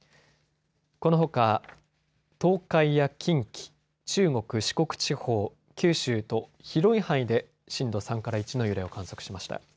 このほか東海や近畿、中国、四国地方、九州と広い範囲で震度３から１の揺れを観測しました。